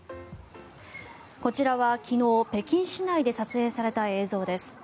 こちらは昨日、北京市内で撮影された映像です。